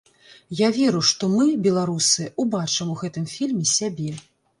Я веру, што мы, беларусы, убачым у гэтым фільме сябе.